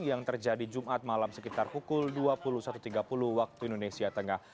yang terjadi jumat malam sekitar pukul dua puluh satu tiga puluh waktu indonesia tengah